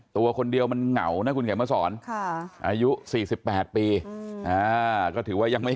ตัวคนเดียวมันเหงานะคุณเขียนมาสอนอายุ๔๘ปีก็ถือว่ายังไม่